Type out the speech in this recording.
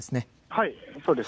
はい、そうです。